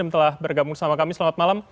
telah bergabung sama kami selamat malam